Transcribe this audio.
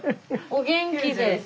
お元気で。